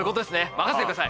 任せてください。